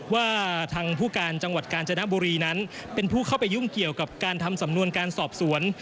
ว่าทางผู้การจังหวัดกาญจนบุรีนั้นเป็นผู้เข้าไปยุ่งเกี่ยวกับการทำสำนวนการสอบสวน